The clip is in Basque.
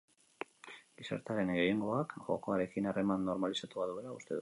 Gizartearen gehiengoak jokoarekin harreman normalizatua duela uste du.